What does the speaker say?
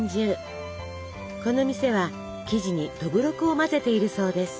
この店は生地にどぶろくを混ぜているそうです。